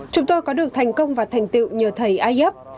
chúng tôi có được thành công và thành tựu nhờ thầy iyab